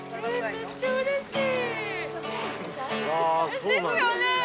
めっちゃうれしい。